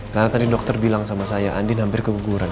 karena tadi dokter bilang sama saya andin hampir keguguran